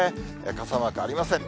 傘マークありません。